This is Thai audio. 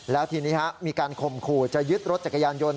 แล้วทีนี้มีการข่มขู่จะยึดรถจักรยานยนต